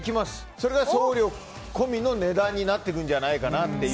それが送料込みの値段になってくるんじゃないかなと。